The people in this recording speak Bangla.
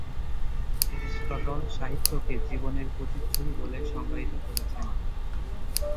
এরিস্টটল সাহিত্যকে জীবনের প্রতিচ্ছবি বলে সংজ্ঞায়িত করেছেন।